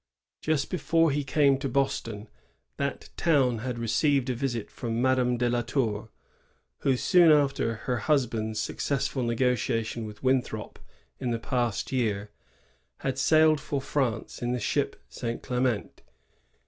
Jnst before he came to Boston, that town had receiyed a visit from Madame de la Tour, who, soon after her husband's successful negotiation with Winthrop in the past year, had sailed for France in the ship ^ St. Clement."